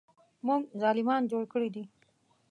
موږ ظالمان جوړ کړي دي.